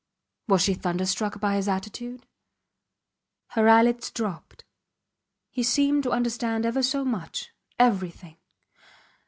Was she thunderstruck by his attitude? ... Her eyelids dropped. He seemed to understand ever so much everything!